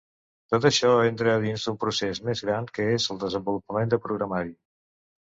Tot això entra a dins d'un procés més gran que és el desenvolupament de programari.